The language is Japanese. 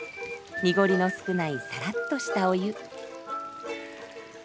濁りの少ないさらっとしたお湯。